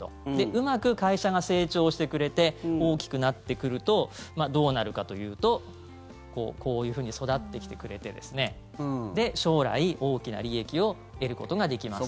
うまく会社が成長してくれて大きくなってくるとどうなるかというとこういうふうに育ってきてくれて将来、大きな利益を得ることができますと。